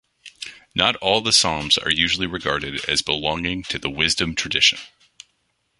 Not all the Psalms are usually regarded as belonging to the Wisdom tradition.